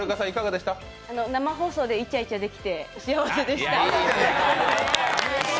生放送でいちゃいちゃできて幸せでした。